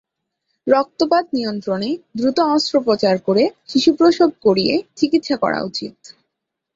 রক্তপাত নিয়ন্ত্রণে দ্রুত অস্ত্রোপচার করে শিশু প্রসব করিয়ে চিকিৎসা করা উচিত।